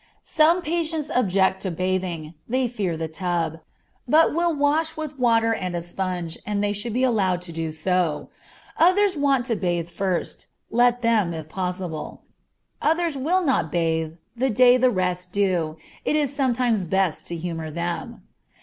Some patients object to bathing; they fear the tub, but will wash with water and a sponge, and they should be allowed to do so. Others want to bathe first; let them, if possible. Others will not bathe the day the rest do; it is sometimes best to humor them.